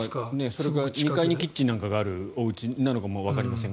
それか、２階にキッチンがあるおうちなのかもわかりません